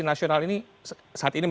bahwa kenaikan ini jauh dari inflasi